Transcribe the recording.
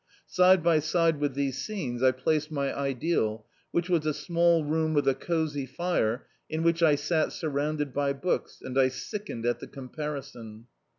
Side by side with these scenes I placed my ideal, which was a small room with a cosy fire, in which I sat sur rounded by books, and I. sickened at the comparison.